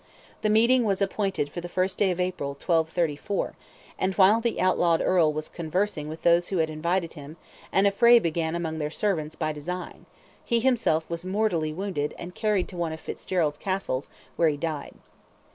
The meeting was appointed for the first day of April, 1234, and while the outlawed Earl was conversing with those who had invited him, an affray began among their servants by design, he himself was mortally wounded and carried to one of Fitzgerald's castles, where he died.